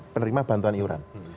penerima bantuan iuran